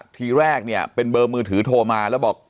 ทีแรกเนี่ยเป็นเบอร์มือถือโทรมาแล้วบอก